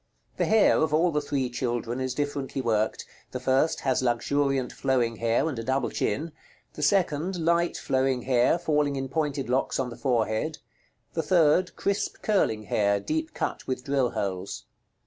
The hair of all the three children is differently worked: the first has luxuriant flowing hair, and a double chin; the second, light flowing hair falling in pointed locks on the forehead; the third, crisp curling hair, deep cut with drill holes.